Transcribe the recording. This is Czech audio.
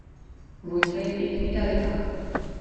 Vojta je pěkný darebák.